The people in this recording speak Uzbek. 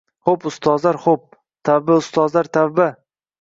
— Xo‘p ustozlar, xo‘p. Tavba, ustozlar, tavba, —